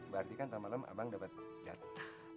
berarti kan tamalem abang dapat jatah